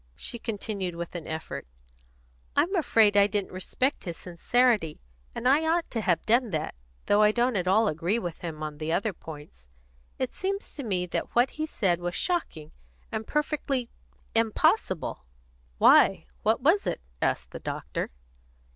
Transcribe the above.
She continued with an effort: "I'm afraid I didn't respect his sincerity, and I ought to have done that, though I don't at all agree with him on the other points. It seems to me that what he said was shocking, and perfectly impossible." "Why, what was it?" asked the doctor.